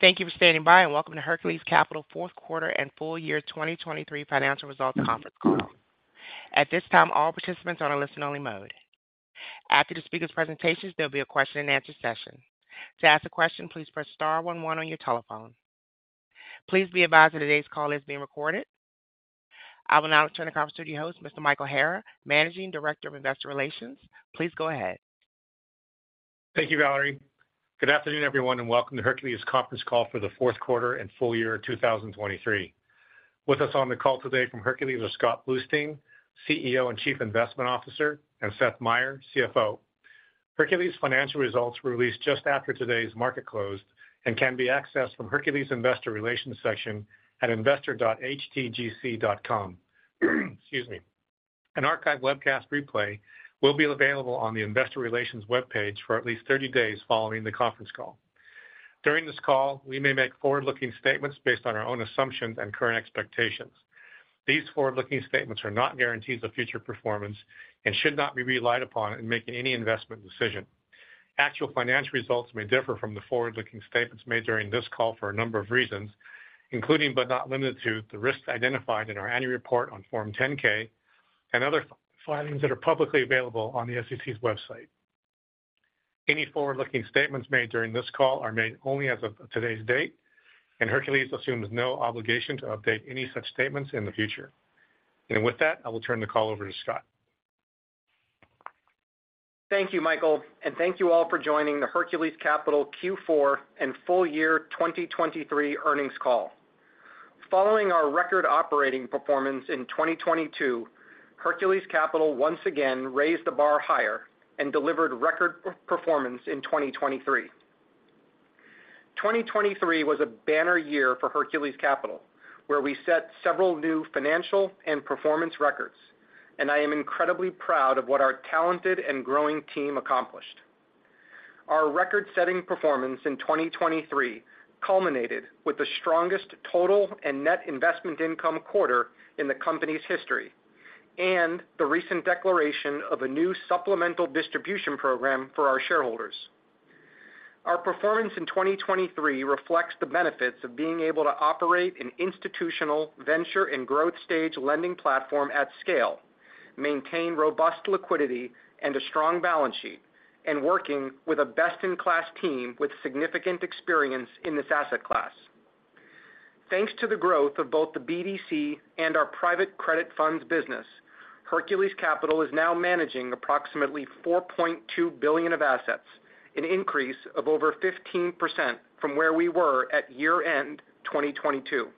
Thank you for standing by and welcome to Hercules Capital fourth quarter and full year 2023 financial results conference call. At this time, all participants are on a listen-only mode. After the speaker's presentations, there will be a question-and-answer session. To ask a question, please press star one, one on your telephone. Please be advised that today's call is being recorded. I will now turn the conference over to your host, Mr. Michael Hara, Managing Director of Investor Relations. Please go ahead. Thank you, Valerie. Good afternoon, everyone, and welcome to Hercules' conference call for the fourth quarter and full year 2023. With us on the call today from Hercules are Scott Bluestein, CEO and Chief Investment Officer, and Seth Meyer, CFO. Hercules' financial results were released just after today's market closed and can be accessed from Hercules' Investor Relations section at investor.htgc.com. An archived webcast replay will be available on the Investor Relations webpage for at least 30 days following the conference call. During this call, we may make forward-looking statements based on our own assumptions and current expectations. These forward-looking statements are not guarantees of future performance and should not be relied upon in making any investment decision. Actual financial results may differ from the forward-looking statements made during this call for a number of reasons, including but not limited to the risks identified in our annual report on Form 10-K and other findings that are publicly available on the SEC's website. Any forward-looking statements made during this call are made only as of today's date, and Hercules assumes no obligation to update any such statements in the future. With that, I will turn the call over to Scott. Thank you, Michael, and thank you all for joining the Hercules Capital Q4 and full year 2023 earnings call. Following our record operating performance in 2022, Hercules Capital once again raised the bar higher and delivered record performance in 2023. 2023 was a banner year for Hercules Capital, where we set several new financial and performance records, and I am incredibly proud of what our talented and growing team accomplished. Our record-setting performance in 2023 culminated with the strongest total and net investment income quarter in the company's history and the recent declaration of a new supplemental distribution program for our shareholders. Our performance in 2023 reflects the benefits of being able to operate an institutional venture and growth stage lending platform at scale, maintain robust liquidity and a strong balance sheet, and working with a best-in-class team with significant experience in this asset class. Thanks to the growth of both the BDC and our private credit funds business, Hercules Capital is now managing approximately $4.2 billion of assets, an increase of over 15% from where we were at year-end 2022.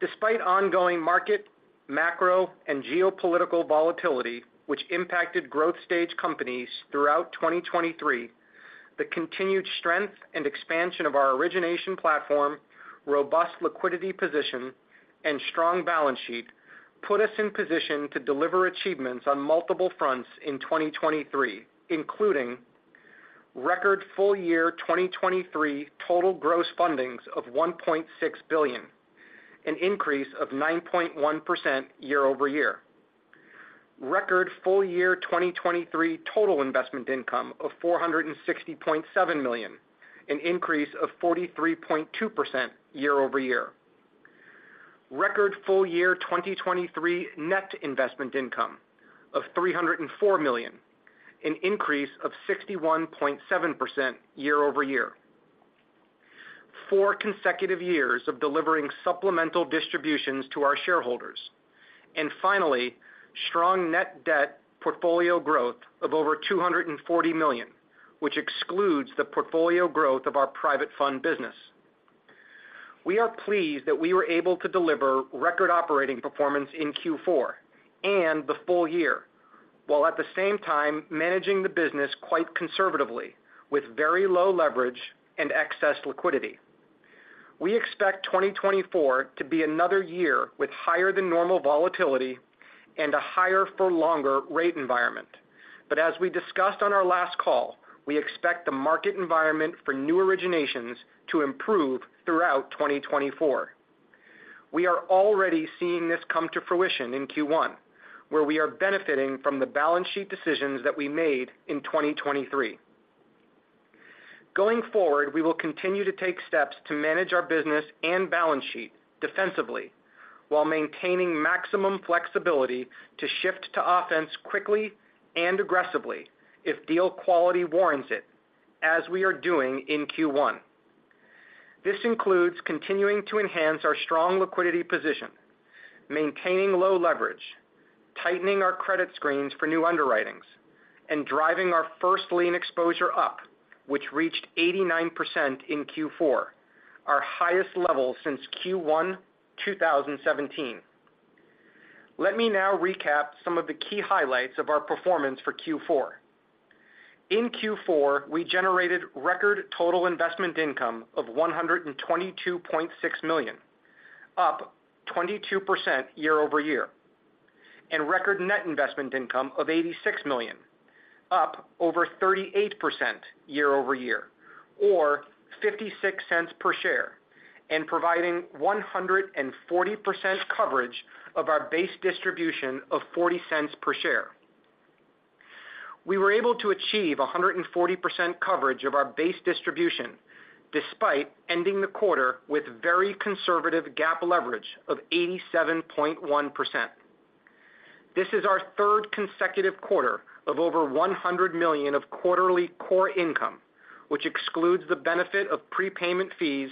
Despite ongoing market, macro, and geopolitical volatility, which impacted growth stage companies throughout 2023, the continued strength and expansion of our origination platform, robust liquidity position, and strong balance sheet put us in position to deliver achievements on multiple fronts in 2023, including: Record full year 2023 total gross fundings of $1.6 billion, an increase of 9.1% year-over-year. Record full year 2023 total investment income of $460.7 million, an increase of 43.2% year-over-year. Record full year 2023 net investment income of $304 million, an increase of 61.7% year-over-year. Four consecutive years of delivering supplemental distributions to our shareholders. Finally, strong net debt portfolio growth of over $240 million, which excludes the portfolio growth of our private fund business. We are pleased that we were able to deliver record operating performance in Q4 and the full year, while at the same time managing the business quite conservatively with very low leverage and excess liquidity. We expect 2024 to be another year with higher-than-normal volatility and a higher-for-longer rate environment, but as we discussed on our last call, we expect the market environment for new originations to improve throughout 2024. We are already seeing this come to fruition in Q1, where we are benefiting from the balance sheet decisions that we made in 2023. Going forward, we will continue to take steps to manage our business and balance sheet defensively while maintaining maximum flexibility to shift to offense quickly and aggressively if deal quality warrants it, as we are doing in Q1. This includes continuing to enhance our strong liquidity position, maintaining low leverage, tightening our credit screens for new underwritings, and driving our first lien exposure up, which reached 89% in Q4, our highest level since Q1 2017. Let me now recap some of the key highlights of our performance for Q4. In Q4, we generated record total investment income of $122.6 million, up 22% year-over-year, and record net investment income of $86 million, up over 38% year-over-year, or $0.56 per share, and providing 140% coverage of our base distribution of $0.40 per share. We were able to achieve 140% coverage of our base distribution despite ending the quarter with very conservative GAAP leverage of 87.1%. This is our third consecutive quarter of over $100 million of quarterly core income, which excludes the benefit of prepayment fees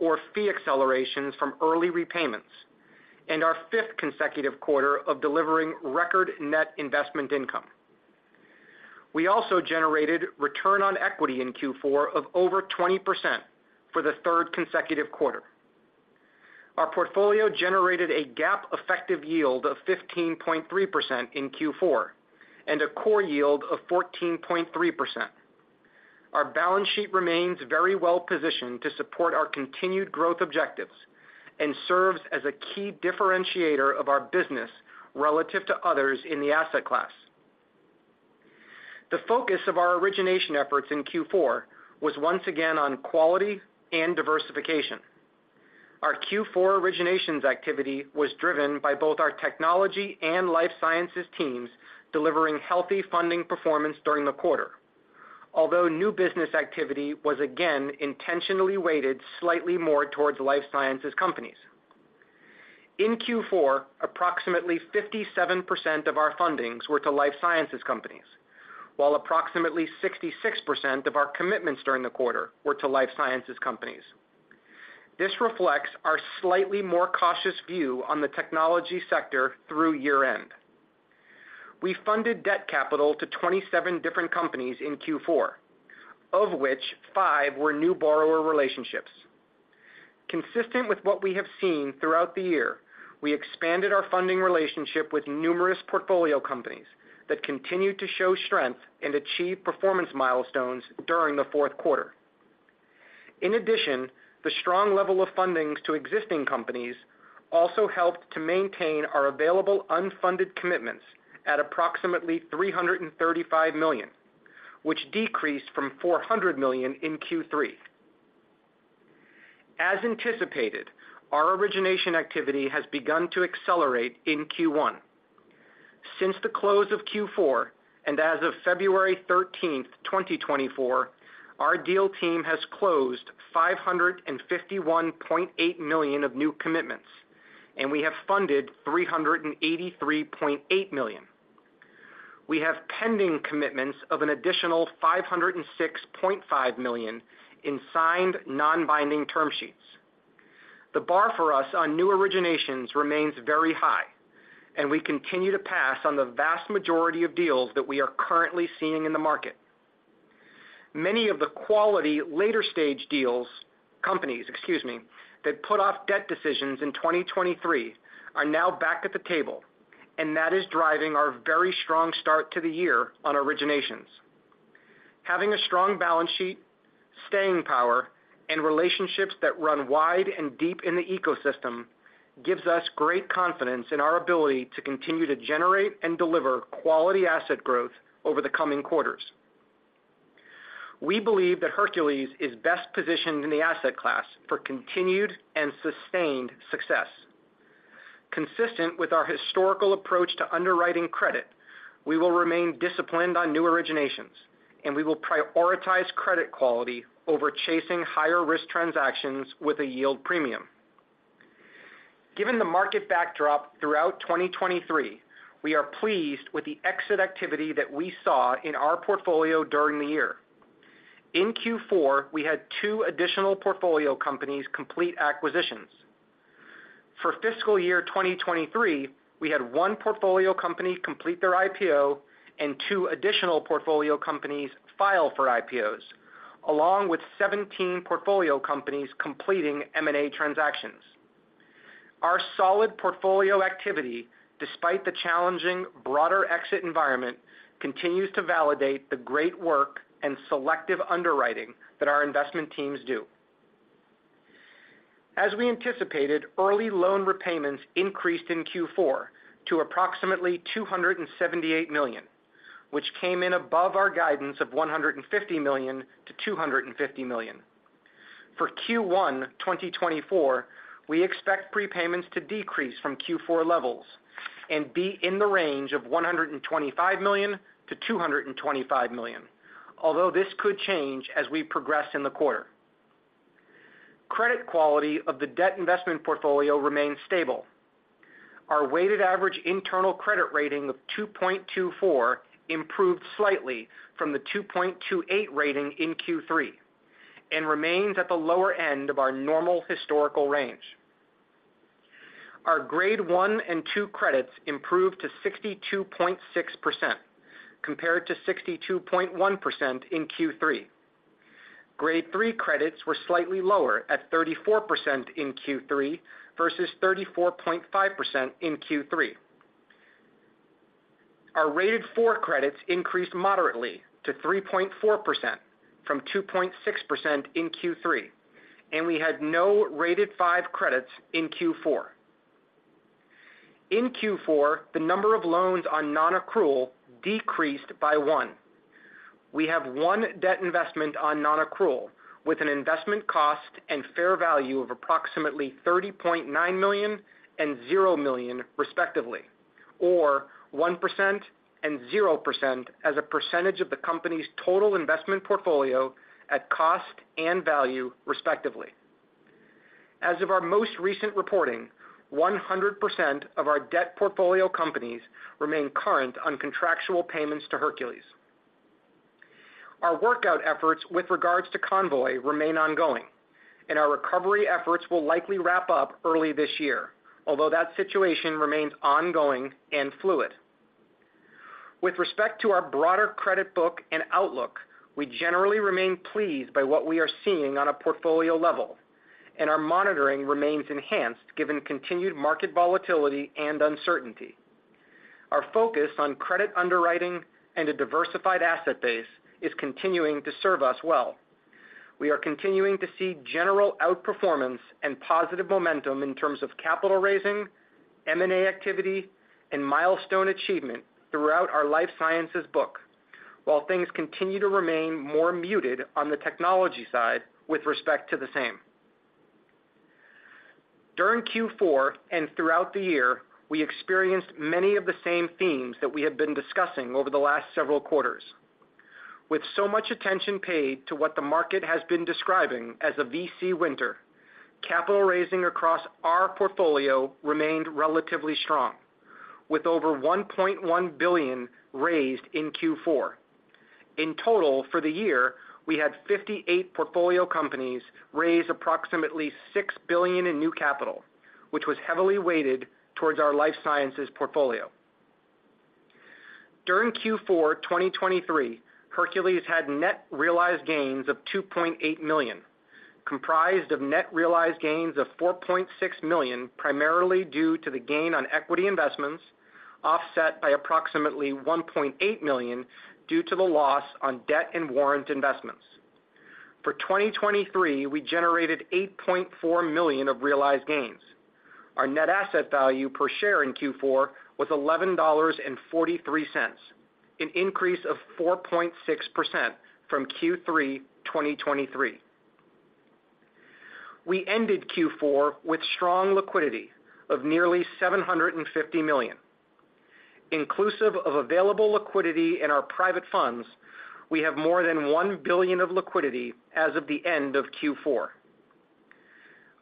or fee accelerations from early repayments, and our fifth consecutive quarter of delivering record net investment income. We also generated return on equity in Q4 of over 20% for the third consecutive quarter. Our portfolio generated a GAAP effective yield of 15.3% in Q4 and a core yield of 14.3%. Our balance sheet remains very well positioned to support our continued growth objectives and serves as a key differentiator of our business relative to others in the asset class. The focus of our origination efforts in Q4 was once again on quality and diversification. Our Q4 originations activity was driven by both our technology and life sciences teams delivering healthy funding performance during the quarter, although new business activity was again intentionally weighted slightly more towards life sciences companies. In Q4, approximately 57% of our fundings were to life sciences companies, while approximately 66% of our commitments during the quarter were to life sciences companies. This reflects our slightly more cautious view on the technology sector through year-end. We funded debt capital to 27 different companies in Q4, of which five were new borrower relationships. Consistent with what we have seen throughout the year, we expanded our funding relationship with numerous portfolio companies that continued to show strength and achieve performance milestones during the fourth quarter. In addition, the strong level of fundings to existing companies also helped to maintain our available unfunded commitments at approximately $335 million, which decreased from $400 million in Q3. As anticipated, our origination activity has begun to accelerate in Q1. Since the close of Q4 and as of February 13th, 2024, our deal team has closed $551.8 million of new commitments, and we have funded $383.8 million. We have pending commitments of an additional $506.5 million in signed non-binding term sheets. The bar for us on new originations remains very high, and we continue to pass on the vast majority of deals that we are currently seeing in the market. Many of the quality later stage deals companies, excuse me, that put off debt decisions in 2023 are now back at the table, and that is driving our very strong start to the year on originations. Having a strong balance sheet, staying power, and relationships that run wide and deep in the ecosystem gives us great confidence in our ability to continue to generate and deliver quality asset growth over the coming quarters. We believe that Hercules is best positioned in the asset class for continued and sustained success. Consistent with our historical approach to underwriting credit, we will remain disciplined on new originations, and we will prioritize credit quality over chasing higher-risk transactions with a yield premium. Given the market backdrop throughout 2023, we are pleased with the exit activity that we saw in our portfolio during the year. In Q4, we had two additional portfolio companies complete acquisitions. For fiscal year 2023, we had one portfolio company complete their IPO and two additional portfolio companies file for IPOs, along with 17 portfolio companies completing M&A transactions. Our solid portfolio activity, despite the challenging broader exit environment, continues to validate the great work and selective underwriting that our investment teams do. As we anticipated, early loan repayments increased in Q4 to approximately $278 million, which came in above our guidance of $150 million to $250 million. For Q1 2024, we expect prepayments to decrease from Q4 levels and be in the range of $125 million to $225 million, although this could change as we progress in the quarter. Credit quality of the debt investment portfolio remains stable. Our weighted average internal credit rating of 2.24 improved slightly from the 2.28 rating in Q3 and remains at the lower end of our normal historical range. Our Grade 1 and 2 credits improved to 62.6% compared to 62.1% in Q3. Grade 3 credits were slightly lower at 34% in Q3 versus 34.5% in Q3. Our rated 4 credits increased moderately to 3.4% from 2.6% in Q3, and we had no rated 5 credits in Q4. In Q4, the number of loans on non-accrual decreased by one. We have one debt investment on non-accrual with an investment cost and fair value of approximately $30.9 million and $0 million, respectively, or 1% and 0% as a percentage of the company's total investment portfolio at cost and value, respectively. As of our most recent reporting, 100% of our debt portfolio companies remain current on contractual payments to Hercules. Our workout efforts with regards to Convoy remain ongoing, and our recovery efforts will likely wrap up early this year, although that situation remains ongoing and fluid. With respect to our broader credit book and outlook, we generally remain pleased by what we are seeing on a portfolio level, and our monitoring remains enhanced given continued market volatility and uncertainty. Our focus on credit underwriting and a diversified asset base is continuing to serve us well. We are continuing to see general outperformance and positive momentum in terms of capital raising, M&A activity, and milestone achievement throughout our life sciences book, while things continue to remain more muted on the technology side with respect to the same. During Q4 and throughout the year, we experienced many of the same themes that we have been discussing over the last several quarters. With so much attention paid to what the market has been describing as a VC winter, capital raising across our portfolio remained relatively strong, with over $1.1 billion raised in Q4. In total for the year, we had 58 portfolio companies raise approximately $6 billion in new capital, which was heavily weighted towards our life sciences portfolio. During Q4 2023, Hercules had net realized gains of $2.8 million, comprised of net realized gains of $4.6 million primarily due to the gain on equity investments offset by approximately $1.8 million due to the loss on debt and warrant investments. For 2023, we generated $8.4 million of realized gains. Our net asset value per share in Q4 was $11.43, an increase of 4.6% from Q3 2023. We ended Q4 with strong liquidity of nearly $750 million. Inclusive of available liquidity in our private funds, we have more than $1 billion of liquidity as of the end of Q4.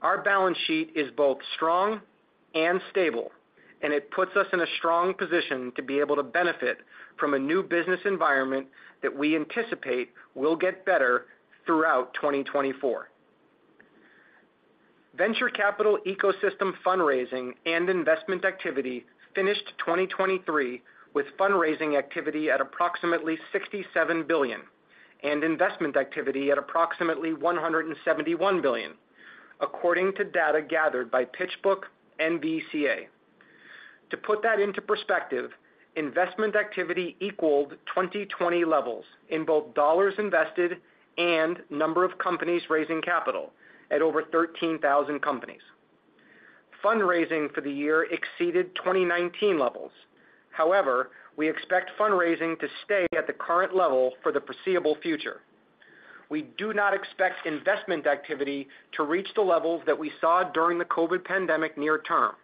Our balance sheet is both strong and stable, and it puts us in a strong position to be able to benefit from a new business environment that we anticipate will get better throughout 2024. Venture capital ecosystem fundraising and investment activity finished 2023 with fundraising activity at approximately $67 billion and investment activity at approximately $171 billion, according to data gathered by PitchBook-NVCA. To put that into perspective, investment activity equaled 2020 levels in both dollars invested and number of companies raising capital at over 13,000 companies. Fundraising for the year exceeded 2019 levels. However, we expect fundraising to stay at the current level for the foreseeable future. We do not expect investment activity to reach the levels that we saw during the COVID pandemic near term,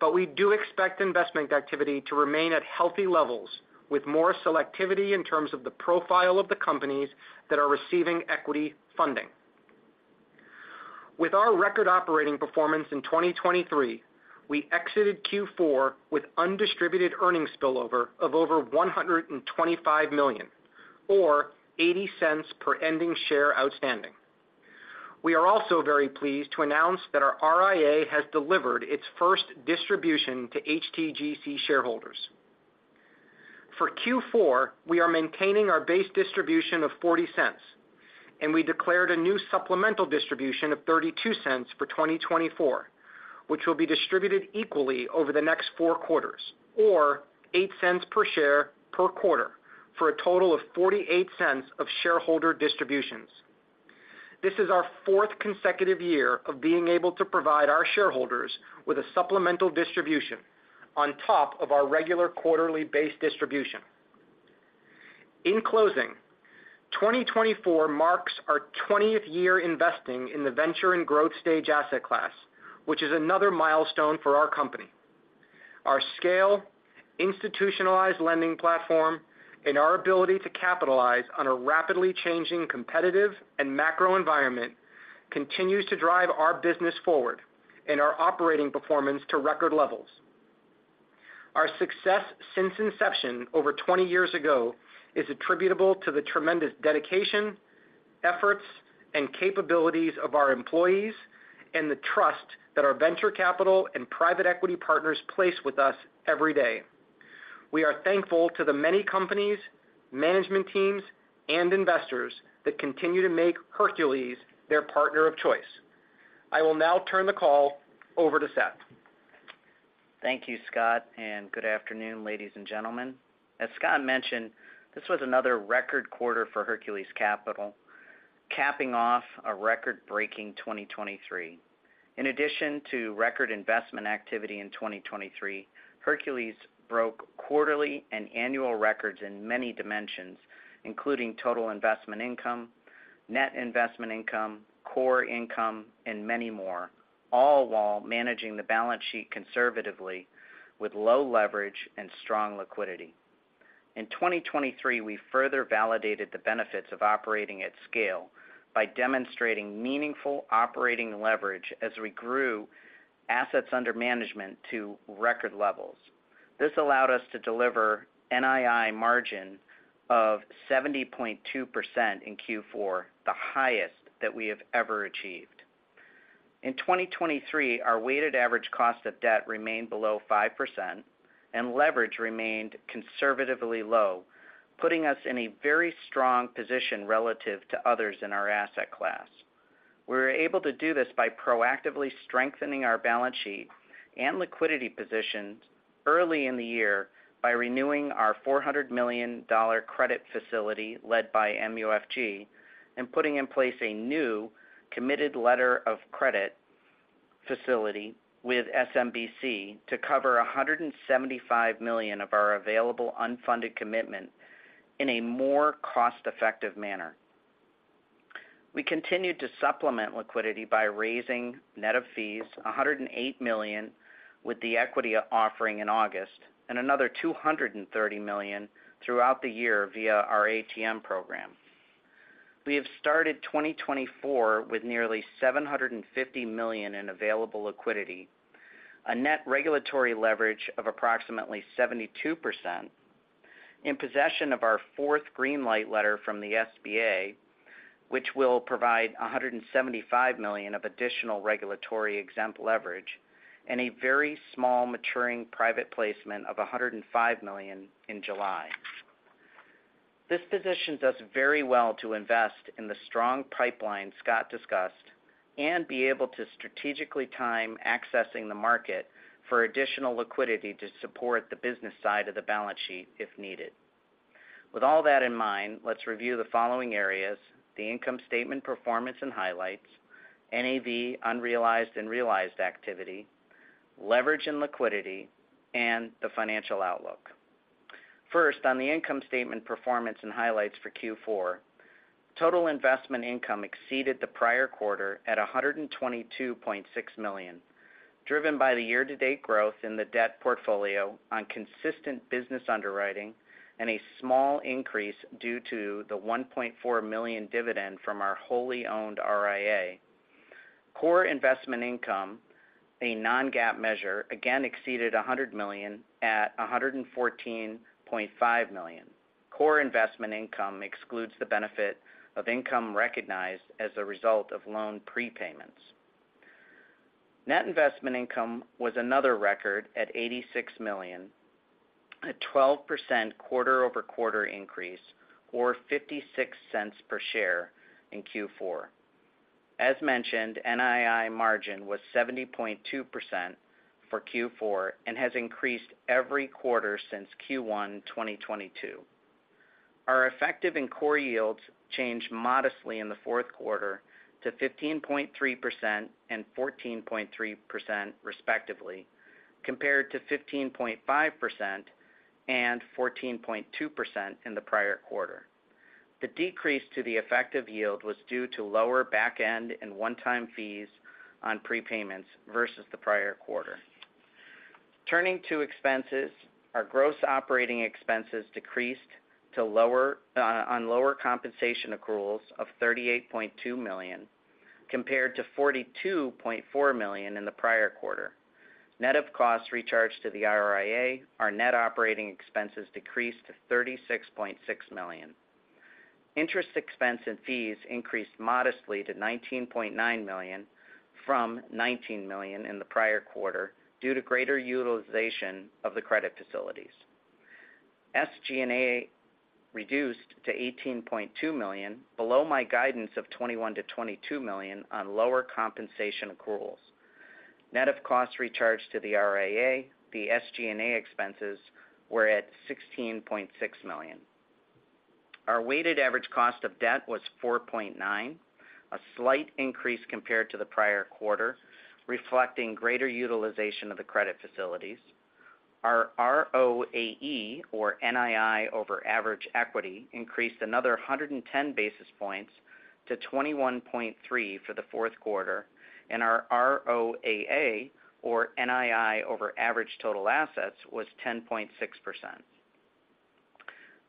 but we do expect investment activity to remain at healthy levels with more selectivity in terms of the profile of the companies that are receiving equity funding. With our record operating performance in 2023, we exited Q4 with undistributed earnings spillover of over $125 million, or $0.80 per ending share outstanding. We are also very pleased to announce that our RIA has delivered its first distribution to HTGC shareholders. For Q4, we are maintaining our base distribution of $0.40, and we declared a new supplemental distribution of $0.32 for 2024, which will be distributed equally over the next four quarters, or $0.08 per share per quarter for a total of $0.48 of shareholder distributions. This is our fourth consecutive year of being able to provide our shareholders with a supplemental distribution on top of our regular quarterly base distribution. In closing, 2024 marks our 20th year investing in the venture and growth stage asset class, which is another milestone for our company. Our scale, institutionalized lending platform, and our ability to capitalize on a rapidly changing competitive and macro environment continues to drive our business forward and our operating performance to record levels. Our success since inception over 20 years ago is attributable to the tremendous dedication, efforts, and capabilities of our employees and the trust that our venture capital and private equity partners place with us every day. We are thankful to the many companies, management teams, and investors that continue to make Hercules their partner of choice. I will now turn the call over to Seth. Thank you, Scott, and good afternoon, ladies and gentlemen. As Scott mentioned, this was another record quarter for Hercules Capital, capping off a record-breaking 2023. In addition to record investment activity in 2023, Hercules broke quarterly and annual records in many dimensions, including total investment income, net investment income, core income, and many more, all while managing the balance sheet conservatively with low leverage and strong liquidity. In 2023, we further validated the benefits of operating at scale by demonstrating meaningful operating leverage as we grew assets under management to record levels. This allowed us to deliver NII margin of 70.2% in Q4, the highest that we have ever achieved. In 2023, our weighted average cost of debt remained below 5%, and leverage remained conservatively low, putting us in a very strong position relative to others in our asset class. We were able to do this by proactively strengthening our balance sheet and liquidity positions early in the year by renewing our $400 million credit facility led by MUFG and putting in place a new committed letter of credit facility with SMBC to cover $175 million of our available unfunded commitment in a more cost-effective manner. We continued to supplement liquidity by raising net of fees $108 million with the equity offering in August and another $230 million throughout the year via our ATM program. We have started 2024 with nearly $750 million in available liquidity, a net regulatory leverage of approximately 72%, in possession of our fourth Green Light Letter from the SBA, which will provide $175 million of additional regulatory exempt leverage, and a very small maturing private placement of $105 million in July. This positions us very well to invest in the strong pipeline Scott discussed and be able to strategically time accessing the market for additional liquidity to support the business side of the balance sheet if needed. With all that in mind, let's review the following areas: the income statement performance and highlights, NAV unrealized and realized activity, leverage and liquidity, and the financial outlook. First, on the income statement performance and highlights for Q4, total investment income exceeded the prior quarter at $122.6 million, driven by the year-to-date growth in the debt portfolio on consistent business underwriting and a small increase due to the $1.4 million dividend from our wholly owned RIA. Core investment income, a non-GAAP measure, again exceeded $100 million at $114.5 million. Core investment income excludes the benefit of income recognized as a result of loan prepayments. Net investment income was another record at $86 million, a 12% quarter-over-quarter increase, or $0.56 per share in Q4. As mentioned, NII margin was 70.2% for Q4 and has increased every quarter since Q1 2022. Our effective and core yields changed modestly in the fourth quarter to 15.3% and 14.3%, respectively, compared to 15.5% and 14.2% in the prior quarter. The decrease to the effective yield was due to lower back-end and one-time fees on prepayments versus the prior quarter. Turning to expenses, our gross operating expenses decreased on lower compensation accruals of $38.2 million compared to $42.4 million in the prior quarter. Net of costs recharged to the RIA, our net operating expenses decreased to $36.6 million. Interest expense and fees increased modestly to $19.9 million from $19 million in the prior quarter due to greater utilization of the credit facilities. SG&A reduced to $18.2 million, below my guidance of $21 million-$22 million on lower compensation accruals. Net of costs recharged to the RIA, the SG&A expenses were at $16.6 million. Our weighted average cost of debt was 4.9%, a slight increase compared to the prior quarter, reflecting greater utilization of the credit facilities. Our ROAE, or NII over average equity, increased another 110 basis points to 21.3% for the fourth quarter, and our ROAA, or NII over average total assets, was 10.6%.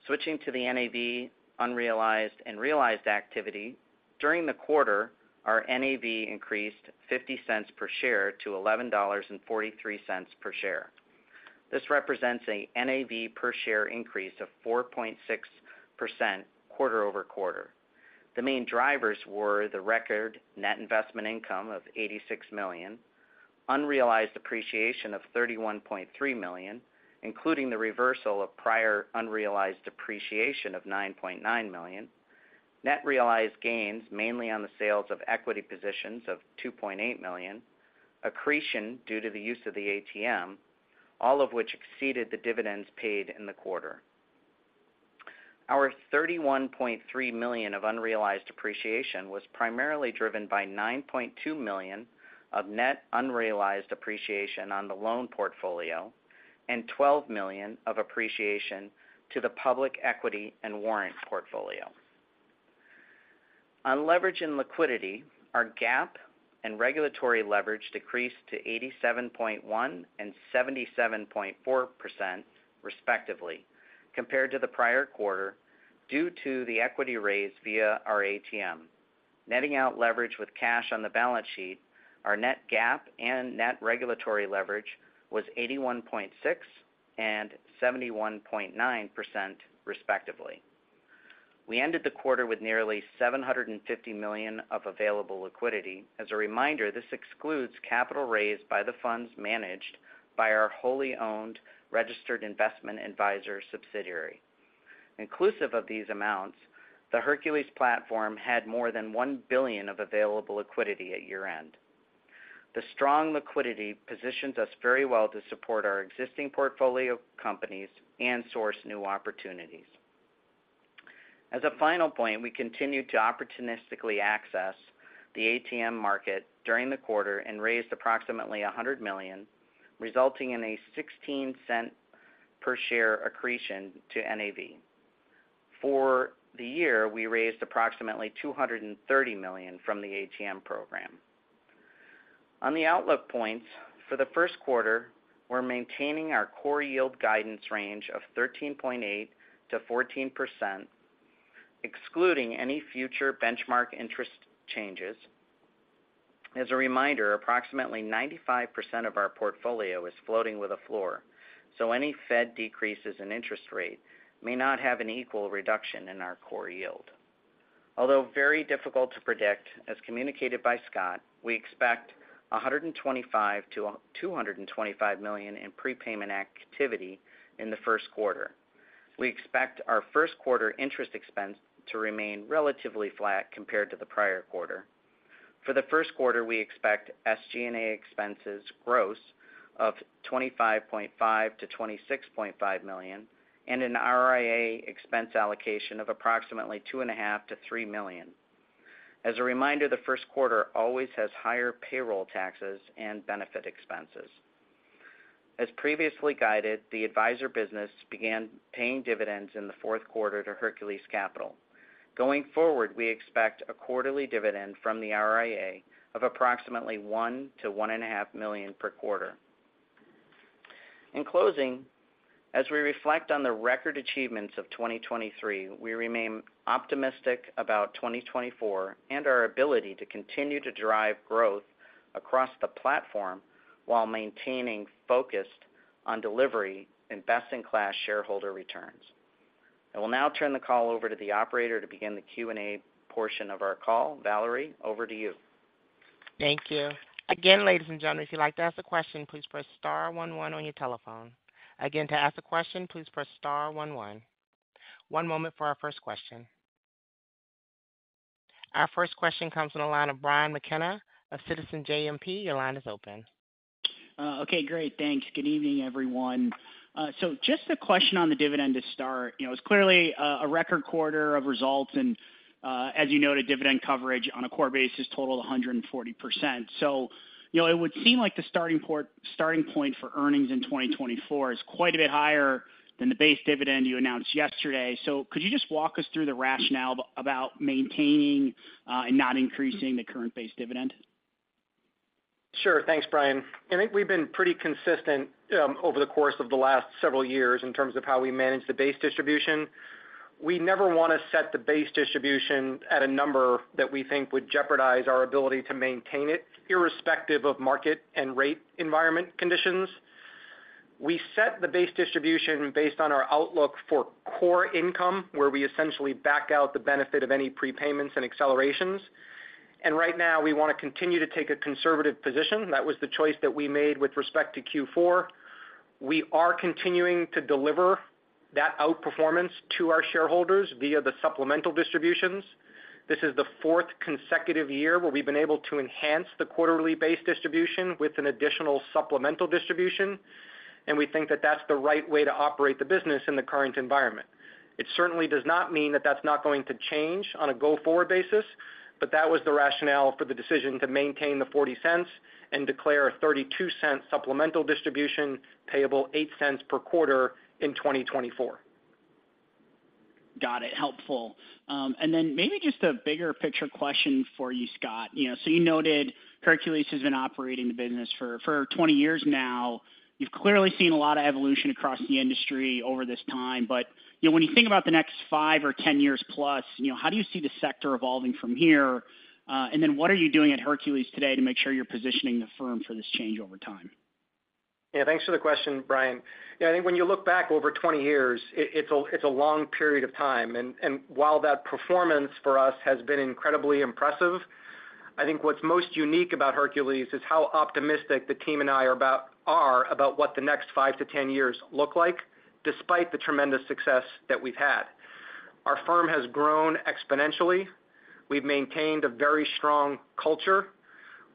Switching to the NAV unrealized and realized activity, during the quarter, our NAV increased $0.50 per share to $11.43 per share. This represents a NAV per share increase of 4.6% quarter-over-quarter. The main drivers were the record net investment income of $86 million, unrealized appreciation of $31.3 million, including the reversal of prior unrealized appreciation of $9.9 million, net realized gains mainly on the sales of equity positions of $2.8 million, accretion due to the use of the ATM, all of which exceeded the dividends paid in the quarter. Our $31.3 million of unrealized appreciation was primarily driven by $9.2 million of net unrealized appreciation on the loan portfolio and $12 million of appreciation to the public equity and warrant portfolio. On leverage and liquidity, our GAAP and regulatory leverage decreased to 87.1% and 77.4%, respectively, compared to the prior quarter due to the equity raise via our ATM. Netting out leverage with cash on the balance sheet, our net GAAP and net regulatory leverage was 81.6% and 71.9%, respectively. We ended the quarter with nearly $750 million of available liquidity. As a reminder, this excludes capital raised by the funds managed by our wholly owned registered investment advisor subsidiary. Inclusive of these amounts, the Hercules platform had more than $1 billion of available liquidity at year-end. The strong liquidity positions us very well to support our existing portfolio companies and source new opportunities. As a final point, we continued to opportunistically access the ATM market during the quarter and raised approximately $100 million, resulting in a $0.16 per share accretion to NAV. For the year, we raised approximately $230 million from the ATM program. On the outlook points, for the first quarter, we're maintaining our Core Yield guidance range of 13.8%-14%, excluding any future benchmark interest changes. As a reminder, approximately 95% of our portfolio is floating with a floor, so any Fed decreases in interest rate may not have an equal reduction in our Core Yield. Although very difficult to predict, as communicated by Scott, we expect $125 million to $225 million in prepayment activity in the first quarter. We expect our first quarter interest expense to remain relatively flat compared to the prior quarter. For the first quarter, we expect SG&A expenses gross of $25.5 million-$26.5 million and an RIA expense allocation of approximately $2.5 million-$3 million. As a reminder, the first quarter always has higher payroll taxes and benefit expenses. As previously guided, the advisor business began paying dividends in the fourth quarter to Hercules Capital. Going forward, we expect a quarterly dividend from the RIA of approximately $1 million-$1.5 million per quarter. In closing, as we reflect on the record achievements of 2023, we remain optimistic about 2024 and our ability to continue to drive growth across the platform while maintaining focus on delivering best-in-class shareholder returns. I will now turn the call over to the operator to begin the Q&A portion of our call. Valerie, over to you. Thank you. Again, ladies and gentlemen, if you'd like to ask a question, please press star one, one on your telephone. Again, to ask a question, please press star one, one. One moment for our first question. Our first question comes in the line of Brian McKenna of Citizens JMP. Your line is open. Okay, great. Thanks. Good evening, everyone. So just a question on the dividend to start. It's clearly a record quarter of results and, as you noted, dividend coverage on a core basis totaled 140%. So it would seem like the starting point for earnings in 2024 is quite a bit higher than the base dividend you announced yesterday. So could you just walk us through the rationale about maintaining and not increasing the current base dividend? Sure. Thanks, Brian. I think we've been pretty consistent over the course of the last several years in terms of how we manage the base distribution. We never want to set the base distribution at a number that we think would jeopardize our ability to maintain it, irrespective of market and rate environment conditions. We set the base distribution based on our outlook for core income, where we essentially back out the benefit of any prepayments and accelerations. And right now, we want to continue to take a conservative position. That was the choice that we made with respect to Q4. We are continuing to deliver that outperformance to our shareholders via the supplemental distributions. This is the fourth consecutive year where we've been able to enhance the quarterly base distribution with an additional supplemental distribution. We think that that's the right way to operate the business in the current environment. It certainly does not mean that that's not going to change on a go-forward basis, but that was the rationale for the decision to maintain the $0.40 and declare a $0.32 supplemental distribution payable $0.08 per quarter in 2024. Got it. Helpful. And then maybe just a bigger picture question for you, Scott. So you noted Hercules has been operating the business for 20 years now. You've clearly seen a lot of evolution across the industry over this time. But when you think about the next 5 or 10 years plus, how do you see the sector evolving from here? And then what are you doing at Hercules today to make sure you're positioning the firm for this change over time? Yeah, thanks for the question, Brian. I think when you look back over 20 years, it's a long period of time. And while that performance for us has been incredibly impressive, I think what's most unique about Hercules is how optimistic the team and I are about what the next 5-10 years look like, despite the tremendous success that we've had. Our firm has grown exponentially. We've maintained a very strong culture.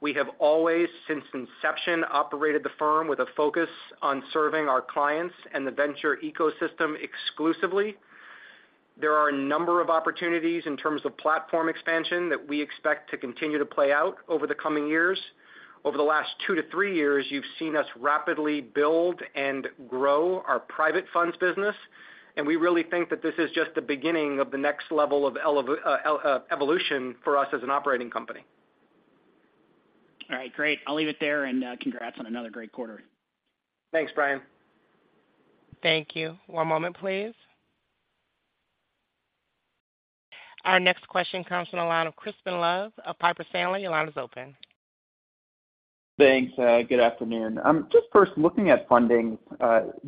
We have always, since inception, operated the firm with a focus on serving our clients and the venture ecosystem exclusively. There are a number of opportunities in terms of platform expansion that we expect to continue to play out over the coming years. Over the last 2-3 years, you've seen us rapidly build and grow our private funds business. We really think that this is just the beginning of the next level of evolution for us as an operating company. All right, great. I'll leave it there and congrats on another great quarter. Thanks, Brian. Thank you. One moment, please. Our next question comes in the line of Crispin Love of Piper Sandler. Your line is open. Thanks. Good afternoon. Just first, looking at funding,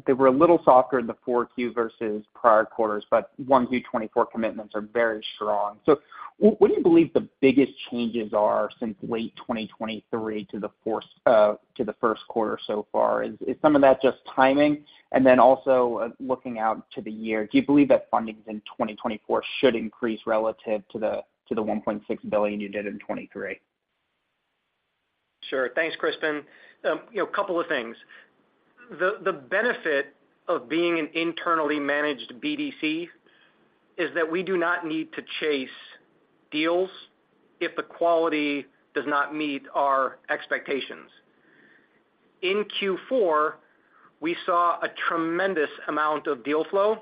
they were a little softer in the 4Q versus prior quarters, but 1Q24 commitments are very strong. So what do you believe the biggest changes are since late 2023 to the first quarter so far? Is some of that just timing? And then also looking out to the year, do you believe that funding in 2024 should increase relative to the $1.6 billion you did in 2023? Sure. Thanks, Crispin. A couple of things. The benefit of being an internally managed BDC is that we do not need to chase deals if the quality does not meet our expectations. In Q4, we saw a tremendous amount of deal flow,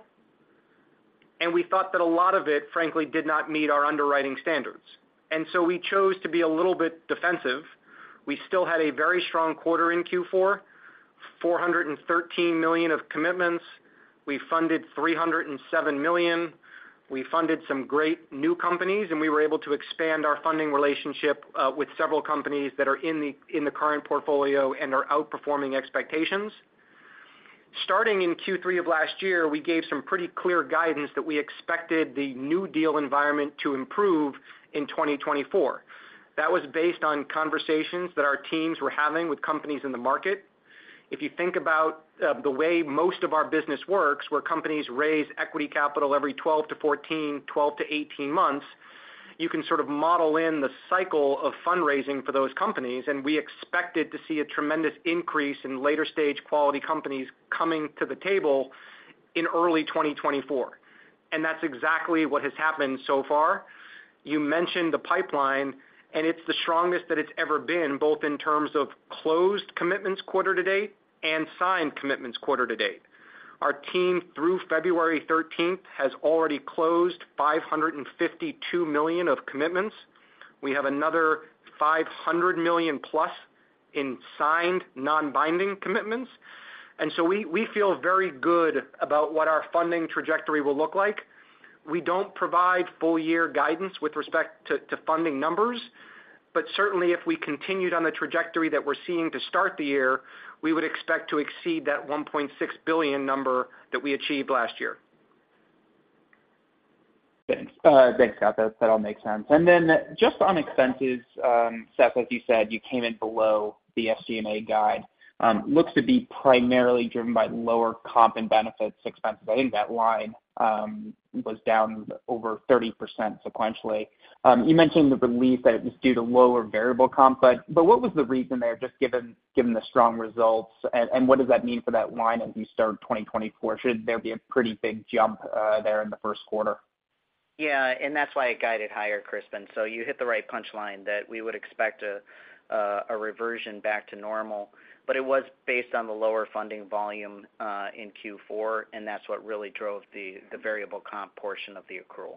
and we thought that a lot of it, frankly, did not meet our underwriting standards. And so we chose to be a little bit defensive. We still had a very strong quarter in Q4, $413 million of commitments. We funded $307 million. We funded some great new companies, and we were able to expand our funding relationship with several companies that are in the current portfolio and are outperforming expectations. Starting in Q3 of last year, we gave some pretty clear guidance that we expected the new deal environment to improve in 2024. That was based on conversations that our teams were having with companies in the market. If you think about the way most of our business works, where companies raise equity capital every 12-14, 12-18 months, you can sort of model in the cycle of fundraising for those companies. And we expected to see a tremendous increase in later-stage quality companies coming to the table in early 2024. And that's exactly what has happened so far. You mentioned the pipeline, and it's the strongest that it's ever been, both in terms of closed commitments quarter to date and signed commitments quarter to date. Our team, through February 13th, has already closed $552 million of commitments. We have another $500 million+ in signed non-binding commitments. And so we feel very good about what our funding trajectory will look like. We don't provide full-year guidance with respect to funding numbers, but certainly, if we continued on the trajectory that we're seeing to start the year, we would expect to exceed that $1.6 billion number that we achieved last year. Thanks. Thanks, Scott. That all makes sense. And then just on expenses, Seth, as you said, you came in below the SG&A guide. Looks to be primarily driven by lower comp and benefits expenses. I think that line was down over 30% sequentially. You mentioned the belief that it was due to lower variable comp, but what was the reason there, just given the strong results? And what does that mean for that line as you start 2024? Should there be a pretty big jump there in the first quarter? Yeah, and that's why it guided higher, Crispin. So you hit the right punchline that we would expect a reversion back to normal. But it was based on the lower funding volume in Q4, and that's what really drove the variable comp portion of the accrual.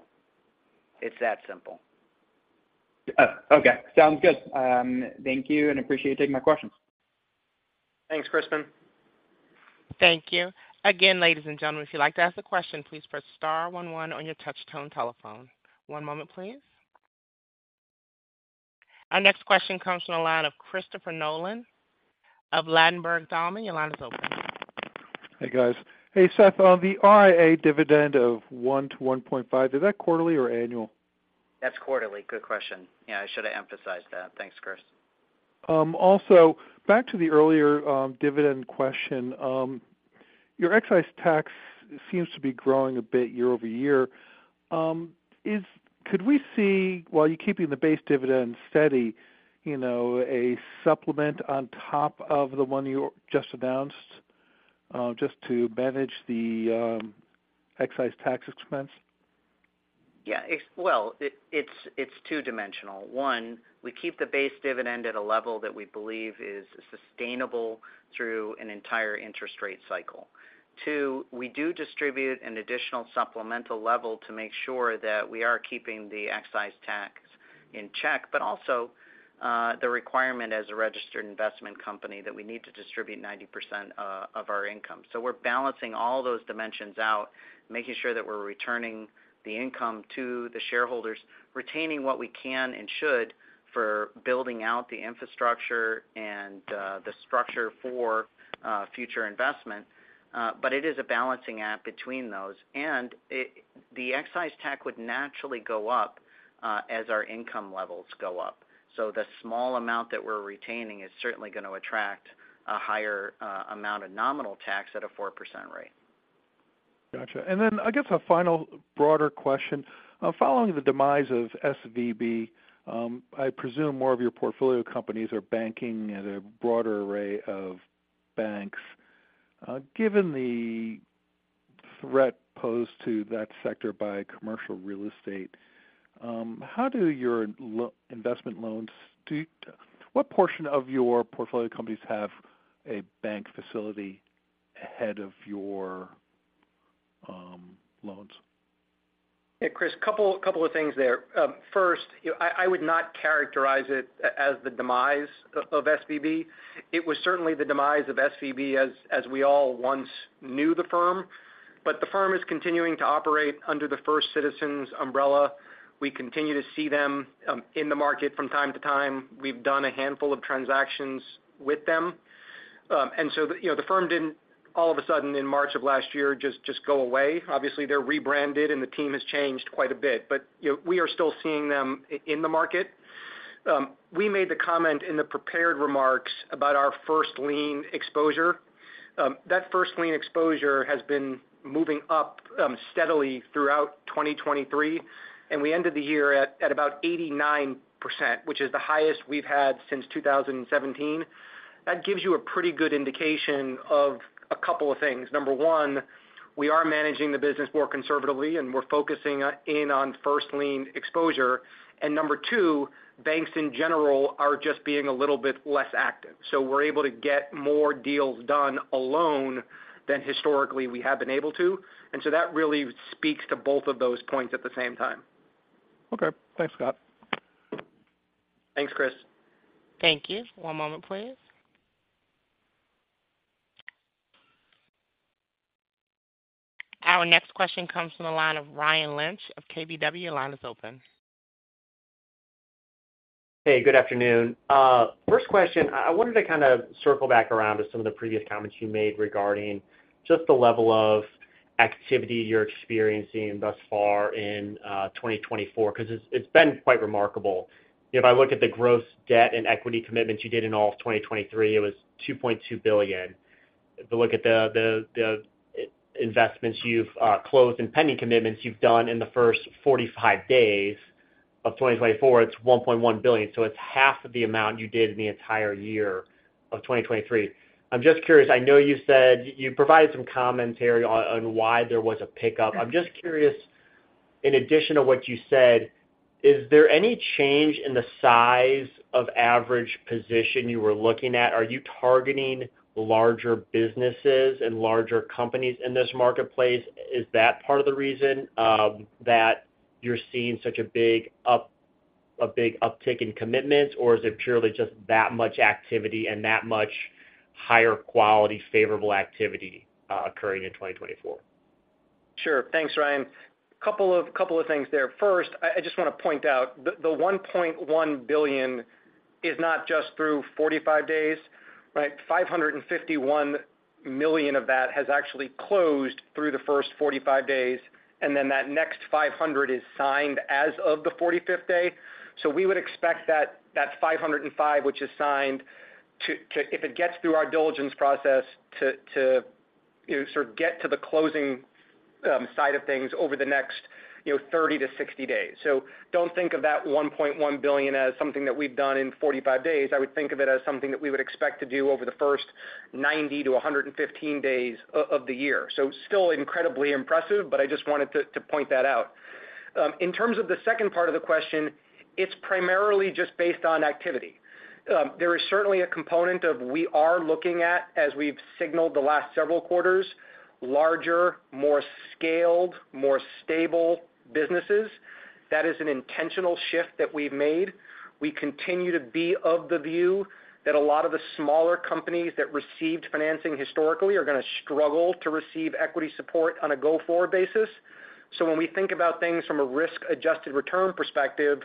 It's that simple. Okay. Sounds good. Thank you and appreciate you taking my questions. Thanks, Crispin. Thank you. Again, ladies and gentlemen, if you'd like to ask a question, please press star one, one on your touch-tone telephone. One moment, please. Our next question comes from the line of Christopher Nolan of Ladenburg Thalmann. Your line is open. Hey, guys. Hey, Seth, on the RIA dividend of $1-$1.5, is that quarterly or annual? That's quarterly. Good question. Yeah, I should have emphasized that. Thanks, Chris. Also, back to the earlier dividend question, your excise tax seems to be growing a bit year-over-year. Could we see, while you're keeping the base dividend steady, a supplement on top of the one you just announced just to manage the excise tax expense? Yeah. Well, it's two-dimensional. One, we keep the base dividend at a level that we believe is sustainable through an entire interest rate cycle. Two, we do distribute an additional supplemental level to make sure that we are keeping the excise tax in check, but also the requirement as a registered investment company that we need to distribute 90% of our income. So we're balancing all those dimensions out, making sure that we're returning the income to the shareholders, retaining what we can and should for building out the infrastructure and the structure for future investment. But it is a balancing act between those. And the excise tax would naturally go up as our income levels go up. So the small amount that we're retaining is certainly going to attract a higher amount of nominal tax at a 4% rate. Gotcha. And then I guess a final broader question. Following the demise of SVB, I presume more of your portfolio companies are banking at a broader array of banks. Given the threat posed to that sector by commercial real estate, how do your investment loans? What portion of your portfolio companies have a bank facility ahead of your loans? Yeah, Chris, a couple of things there. First, I would not characterize it as the demise of SVB. It was certainly the demise of SVB as we all once knew the firm. But the firm is continuing to operate under the First Citizens umbrella. We continue to see them in the market from time to time. We've done a handful of transactions with them. And so the firm didn't, all of a sudden, in March of last year, just go away. Obviously, they're rebranded and the team has changed quite a bit. But we are still seeing them in the market. We made the comment in the prepared remarks about our first lien exposure. That first lien exposure has been moving up steadily throughout 2023. And we ended the year at about 89%, which is the highest we've had since 2017. That gives you a pretty good indication of a couple of things. Number one, we are managing the business more conservatively, and we're focusing in on first lien exposure. And number two, banks in general are just being a little bit less active. So we're able to get more deals done alone than historically we have been able to. And so that really speaks to both of those points at the same time. Okay. Thanks, Scott. Thanks, Chris. Thank you. One moment, please. Our next question comes from the line of Ryan Lynch of KBW. Your line is open. Hey, good afternoon. First question, I wanted to kind of circle back around to some of the previous comments you made regarding just the level of activity you're experiencing thus far in 2024 because it's been quite remarkable. If I look at the gross debt and equity commitments you did in all of 2023, it was $2.2 billion. If I look at the investments you've closed and pending commitments you've done in the first 45 days of 2024, it's $1.1 billion. So it's half of the amount you did in the entire year of 2023. I'm just curious. I know you said you provided some commentary on why there was a pickup. I'm just curious, in addition to what you said, is there any change in the size of average position you were looking at? Are you targeting larger businesses and larger companies in this marketplace? Is that part of the reason that you're seeing such a big uptick in commitments, or is it purely just that much activity and that much higher-quality, favorable activity occurring in 2024? Sure. Thanks, Ryan. A couple of things there. First, I just want to point out the $1.1 billion is not just through 45 days, right? $551 million of that has actually closed through the first 45 days, and then that next $500 million is signed as of the 45th day. So we would expect that $505 million, which is signed, if it gets through our diligence process, to sort of get to the closing side of things over the next 30-60 days. So don't think of that $1.1 billion as something that we've done in 45 days. I would think of it as something that we would expect to do over the first 90-115 days of the year. So still incredibly impressive, but I just wanted to point that out. In terms of the second part of the question, it's primarily just based on activity. There is certainly a component of we are looking at, as we've signaled the last several quarters, larger, more scaled, more stable businesses. That is an intentional shift that we've made. We continue to be of the view that a lot of the smaller companies that received financing historically are going to struggle to receive equity support on a go-for basis. So when we think about things from a risk-adjusted return perspective,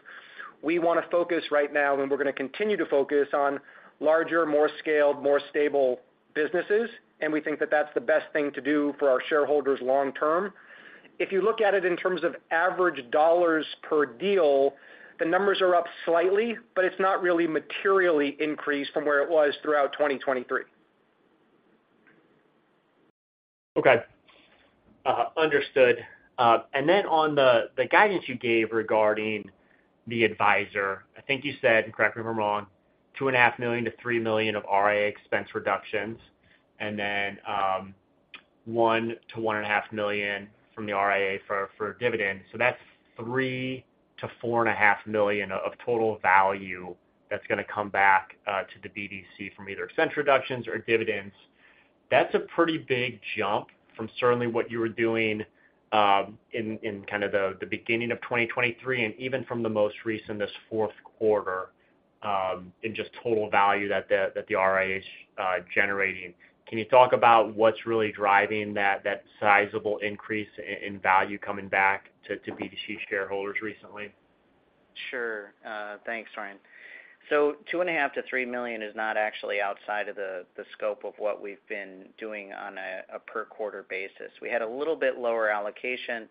we want to focus right now, and we're going to continue to focus on larger, more scaled, more stable businesses. We think that that's the best thing to do for our shareholders long term. If you look at it in terms of average dollars per deal, the numbers are up slightly, but it's not really materially increased from where it was throughout 2023. Okay. Understood. And then on the guidance you gave regarding the advisor, I think you said, correct me if I'm wrong, $2.5 million-$3 million of RIA expense reductions, and then $1 million-$1.5 million from the RIA for dividends. So that's $3 million-$4.5 million of total value that's going to come back to the BDC from either expense reductions or dividends. That's a pretty big jump from certainly what you were doing in kind of the beginning of 2023 and even from the most recent, this fourth quarter, in just total value that the RIA is generating. Can you talk about what's really driving that sizable increase in value coming back to BDC shareholders recently? Sure. Thanks, Ryan. So $2.5 million-$3 million is not actually outside of the scope of what we've been doing on a per-quarter basis. We had a little bit lower allocation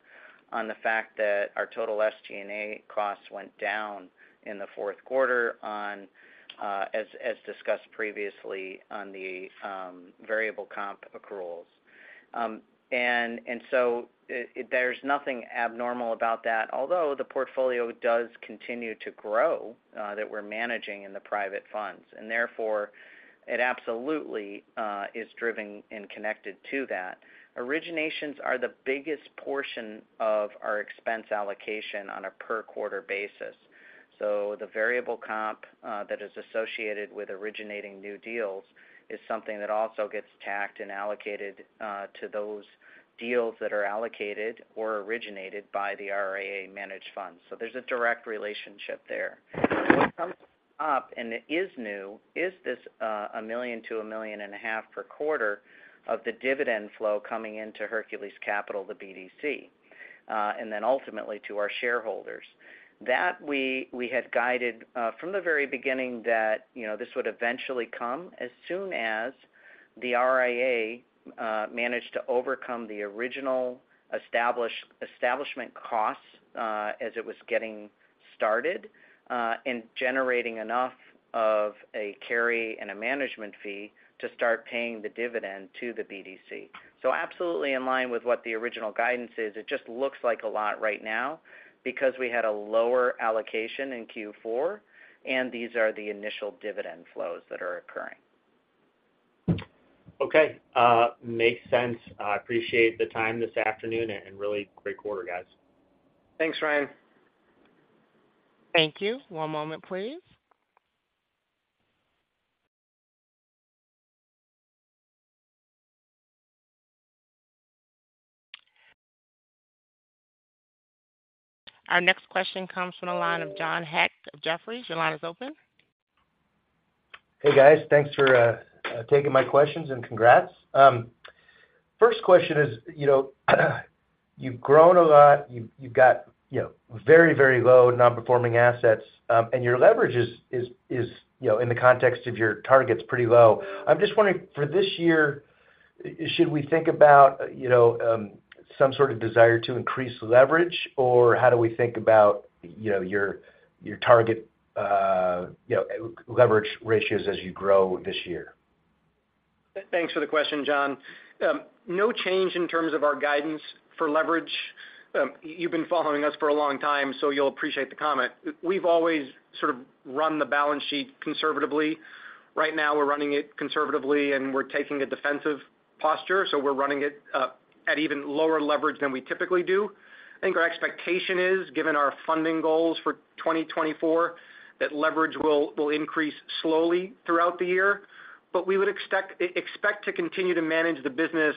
on the fact that our total SG&A costs went down in the fourth quarter, as discussed previously, on the variable comp accruals. And so there's nothing abnormal about that, although the portfolio does continue to grow that we're managing in the private funds. And therefore, it absolutely is driven and connected to that. Originations are the biggest portion of our expense allocation on a per-quarter basis. So the variable comp that is associated with originating new deals is something that also gets tacked and allocated to those deals that are allocated or originated by the RIA managed funds. So there's a direct relationship there. What comes up and is new is this $1 million-$1.5 million per quarter of the dividend flow coming into Hercules Capital, the BDC, and then ultimately to our shareholders. That we had guided from the very beginning that this would eventually come as soon as the RIA managed to overcome the original establishment costs as it was getting started and generating enough of a carry and a management fee to start paying the dividend to the BDC. So absolutely in line with what the original guidance is. It just looks like a lot right now because we had a lower allocation in Q4, and these are the initial dividend flows that are occurring. Okay. Makes sense. I appreciate the time this afternoon and really great quarter, guys. Thanks, Ryan. Thank you. One moment, please. Our next question comes from the line of John Hecht of Jefferies. Your line is open. Hey, guys. Thanks for taking my questions and congrats. First question is, you've grown a lot. You've got very, very low non-performing assets, and your leverage is, in the context of your targets, pretty low. I'm just wondering, for this year, should we think about some sort of desire to increase leverage, or how do we think about your target leverage ratios as you grow this year? Thanks for the question, John. No change in terms of our guidance for leverage. You've been following us for a long time, so you'll appreciate the comment. We've always sort of run the balance sheet conservatively. Right now, we're running it conservatively, and we're taking a defensive posture. So we're running it at even lower leverage than we typically do. I think our expectation is, given our funding goals for 2024, that leverage will increase slowly throughout the year. But we would expect to continue to manage the business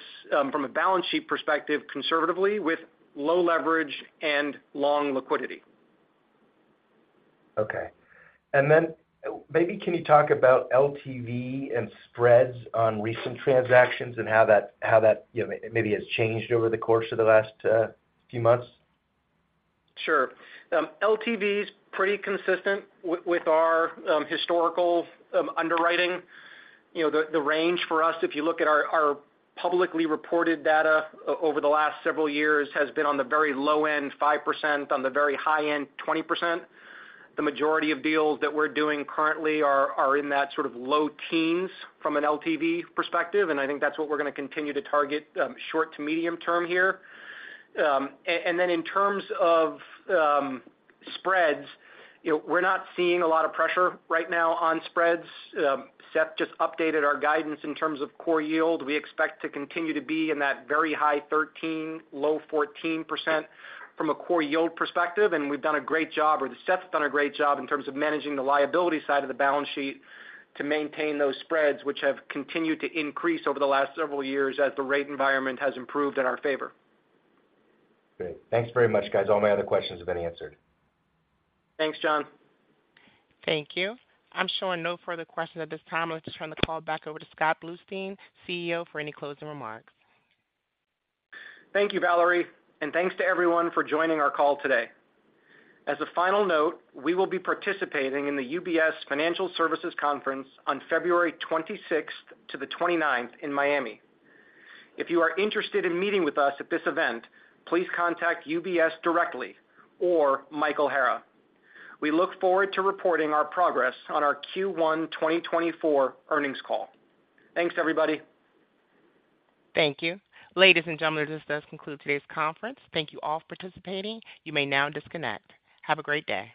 from a balance sheet perspective conservatively with low leverage and long liquidity. Okay. And then maybe can you talk about LTV and spreads on recent transactions and how that maybe has changed over the course of the last few months? Sure. LTV is pretty consistent with our historical underwriting. The range for us, if you look at our publicly reported data over the last several years, has been on the very low end, 5%, on the very high end, 20%. The majority of deals that we're doing currently are in that sort of low teens from an LTV perspective. I think that's what we're going to continue to target short to medium term here. Then in terms of spreads, we're not seeing a lot of pressure right now on spreads. Seth just updated our guidance in terms of core yield. We expect to continue to be in that very high 13%-low 14% from a core yield perspective. We've done a great job, or Seth's done a great job, in terms of managing the liability side of the balance sheet to maintain those spreads, which have continued to increase over the last several years as the rate environment has improved in our favor. Great. Thanks very much, guys. All my other questions have been answered. Thanks, John. Thank you. I'm showing no further questions at this time. I'm going to turn the call back over to Scott Bluestein, CEO, for any closing remarks. Thank you, Valerie. Thanks to everyone for joining our call today. As a final note, we will be participating in the UBS Financial Services Conference on February 26th to the 29th in Miami. If you are interested in meeting with us at this event, please contact UBS directly or Michael Hara. We look forward to reporting our progress on our Q1 2024 earnings call. Thanks, everybody. Thank you. Ladies and gentlemen, this does conclude today's conference. Thank you all for participating. You may now disconnect. Have a great day.